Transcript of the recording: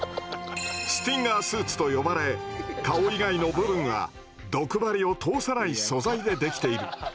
スティンガースーツと呼ばれ顔以外の部分は毒針を通さない素材でできている。